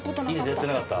家でやってなかった？